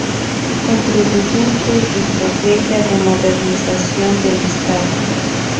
Contribuyente, Estrategia de Modernización del Estado.